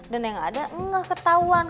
dan yang ada gak ketahuan